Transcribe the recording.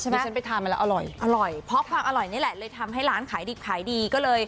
ใช่ที่รัชดาซอย๔ใช่ไหม